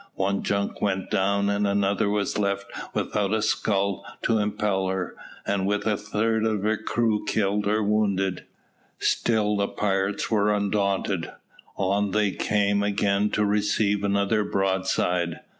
One junk went down, and another was left without a scull to impel her, and with a third of her crew killed or wounded. Still the pirates were undaunted. On they came, again to receive another broadside.